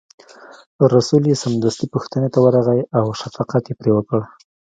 رسول یې سمدستي پوښتنې ته ورغی او شفقت یې پرې وکړ.